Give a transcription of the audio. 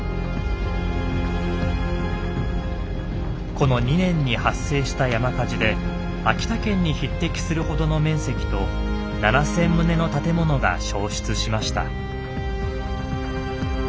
この２年に発生した山火事で秋田県に匹敵するほどの面積と７，０００棟の建物が焼失しました。